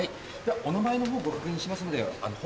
お名前のほうご確認しますので。